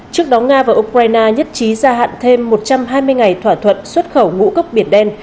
trước đó nga và ukraine nhất trí gia hạn thêm một trăm hai mươi ngày thỏa thuận xuất khẩu ngũ cốc biển đen